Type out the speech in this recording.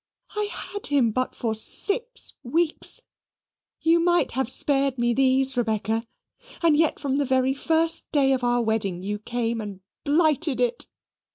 I had him but for six weeks. You might have spared me those, Rebecca. And yet, from the very first day of our wedding, you came and blighted it.